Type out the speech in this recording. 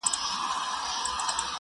شپه مو نسته بې کوکاره چي رانه سې -